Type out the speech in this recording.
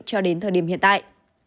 cho đến thời điểm hiện tại